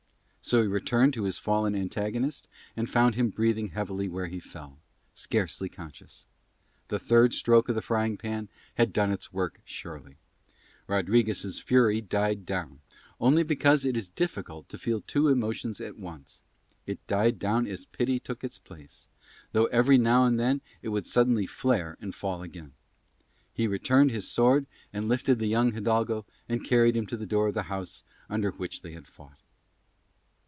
So he returned to his fallen antagonist and found him breathing heavily where he fell, scarcely conscious. The third stroke of the frying pan had done its work surely. Rodriguez' fury died down, only because it is difficult to feel two emotions at once: it died down as pity took its place, though every now and then it would suddenly flare and fall again. He returned his sword and lifted the young hidalgo and carried him to the door of the house under which they had fought.